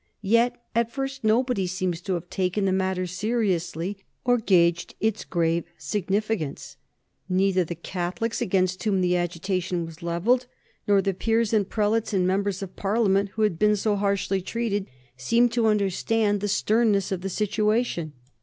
Yet at first nobody seems to have taken the matter seriously or gauged its grave significance. Neither the Catholics, against whom the agitation was levelled, nor the peers and prelates and members of Parliament who had been so harshly treated seemed to understand the sternness of the situation.